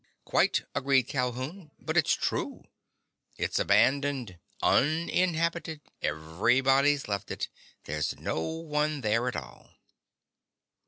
"Quite," agreed Calhoun, "but it's true. It's abandoned. Uninhabited. Everybody's left it. There's no one there at all."